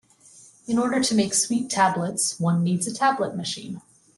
In order to make sweet tablets, one needs a tablet machine.